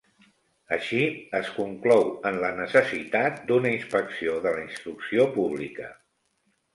Així, es conclou en la necessitat d'una inspecció de la Instrucció Pública.